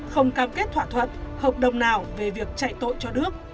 không cam kết thỏa thuận hợp đồng nào về việc chạy tội cho đức